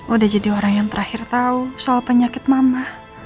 udah jadi orang yang terakhir tahu soal penyakit mama